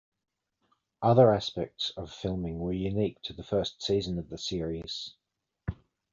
Other aspects of filming were unique to the first season of the series.